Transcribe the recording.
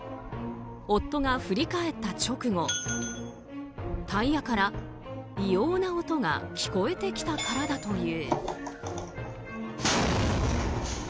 夫が振り返った直後、タイヤから異様な音が聞こえてきたからだという。